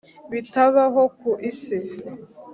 bitabaho ku isi.